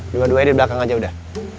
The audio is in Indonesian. dua dua e di belakang aja udah